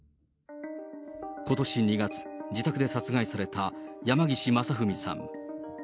ことし２月、自宅で殺害された山岸正文さん。